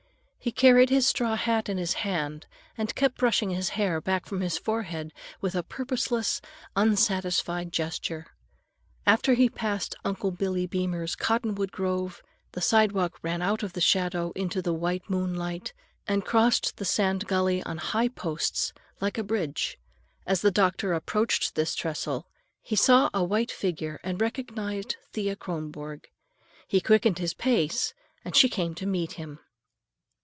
He carried his straw hat in his hand, and kept brushing his hair back from his forehead with a purposeless, unsatisfied gesture. After he passed Uncle Billy Beemer's cottonwood grove, the sidewalk ran out of the shadow into the white moonlight and crossed the sand gully on high posts, like a bridge. As the doctor approached this trestle, he saw a white figure, and recognized Thea Kronborg. He quickened his pace and she came to meet him.